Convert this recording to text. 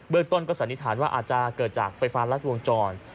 เรื่องต้นก็สันนิษฐานว่าอาจจะเกิดจากไฟฟ้ารัดวงจร